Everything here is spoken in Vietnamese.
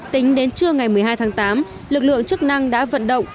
tính đến trưa ngày một mươi hai tháng tám lực lượng chức năng đã vận động